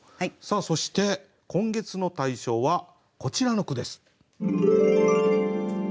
そして今月の大賞はこちらの句です。